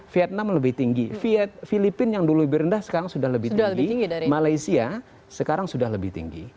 vietnam lebih tinggi filipina yang dulu lebih rendah sekarang sudah lebih tinggi malaysia sekarang sudah lebih tinggi